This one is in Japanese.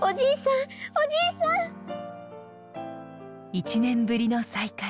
１年ぶりの再会。